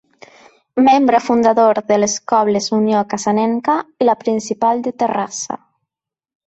Membre fundador de les cobles Unió Cassanenca i La Principal de Terrassa.